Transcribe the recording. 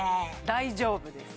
大丈夫です